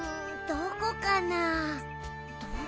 どこかな？